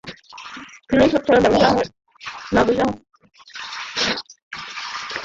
Fishing হচ্ছে ব্যবহারকারীকে প্রলুব্ধ করে ভাইরাসপূর্ণ সাইটে নিয়ে যাওয়ার একটি পদ্ধতি।